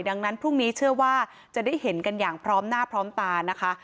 ดังนั้นพรุ่งนี้เชื่อว่าจะได้เห็นกันอย่างพร้อมหน้าพร้อมตานะคะ